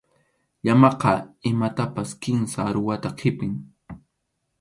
Llamaqa imatapas kimsa aruwata qʼipin.